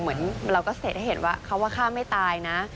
เหมือนเราก็เสตเห็นว่าค้าว่าข้ามไม่ตายนะ